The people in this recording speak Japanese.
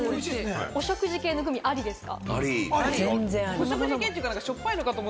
お食事系グミは、ありですか？